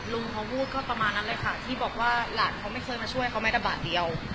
ลุงเขาพูดก็ประมาณนั้นเลยค่ะที่บอกว่าหลานเขาไม่เคยมาช่วยเขาแม้แต่บาทเดียว